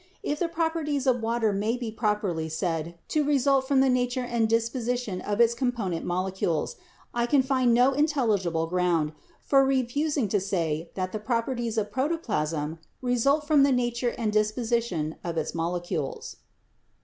If the properties of water may be properly said to result from the nature and disposition of its component molecules, I can find no intelligible ground for refusing to say that the properties of protoplasm result from the nature and dis position of its molecules."